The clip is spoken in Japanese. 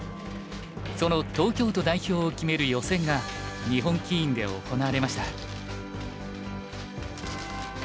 その東京都代表を決める予選が日本棋院で行われました。